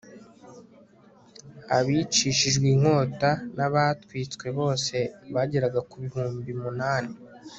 abicishijwe inkota n'abatwitswe bose bageraga ku bihumbi munani